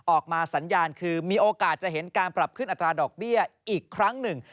สัญญาณคือมีโอกาสจะเห็นการปรับขึ้นอัตราดอกเบี้ยอีกครั้งหนึ่ง